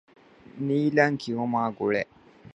ނީލަން ކިޔުމާގުޅޭ